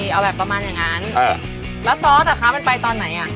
เอาแบบประมาณอย่างนั้นแล้วซอสอ่ะคะมันไปตอนไหนอ่ะ